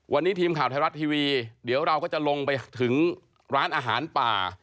วันนี้ทีมข่าวไทยรัฐทีวีเดี๋ยวเราก็จะลงไปถึงร้านอาหารป่า